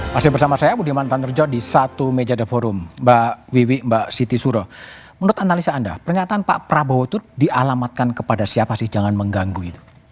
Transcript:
masih bersama saya budiman tanarjo di satu meja the forum mbak wiwi mbak siti suro menurut analisa anda pernyataan pak prabowo itu dialamatkan kepada siapa sih jangan mengganggu itu